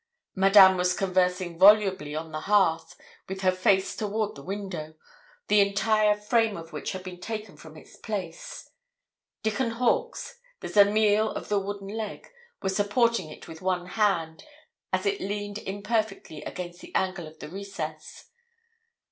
Madame was conversing volubly on the hearth, with her face toward the window, the entire frame of which had been taken from its place: Dickon Hawkes, the Zamiel of the wooden leg, was supporting it with one hand, as it leaned imperfectly against the angle of the recess.